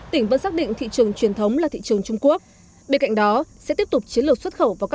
tỉnh vẫn xác định thị trường truyền thống là thị trường trung quốc